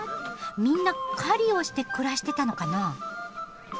みんな狩りをして暮らしてたのかな？